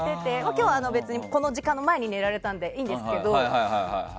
今日はこの時間の前に寝られたんでいいんですけど。